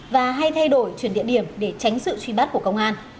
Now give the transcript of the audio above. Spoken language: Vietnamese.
và hay thay đổi chuyển địa điểm để tránh sự truy bắt của công an